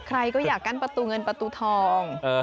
ใครก็อยากกั้นประตูเงินประตูทอง